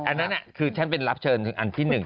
อันนั้นน่ะคือฉันเป็นรับเชิญอันที่หนึ่ง